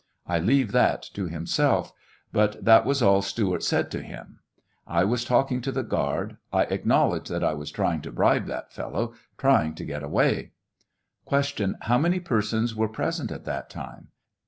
I leave that to himself; but that was all Stewart said to him. j ,yas talking to the guard. I acknowledge that I was_ trying to bribe that fellow — trying to get Q. How many persons were present at that time